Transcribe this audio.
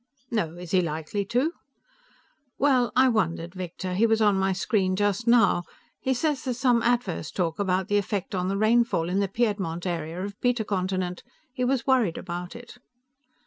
"No. Is he likely to?" "Well, I wondered, Victor. He was on my screen just now. He says there's some adverse talk about the effect on the rainfall in the Piedmont area of Beta Continent. He was worried about it."